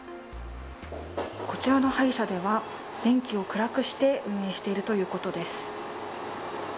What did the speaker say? こちらの歯医者では電気を暗くして運営しているということです。